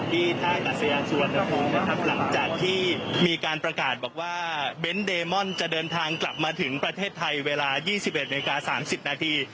หลังจากที่มีการประกาศบอกว่าเบนส์เดมอนจะเดินทางกลับมาถึงประเทศไทยเวลายี่สิบเอ็ดเมกาสามสิบนาที